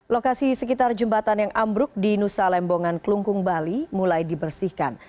lokasi sekitar jembatan yang ambruk di nusa lembongan kelungkung bali mulai dibersihkan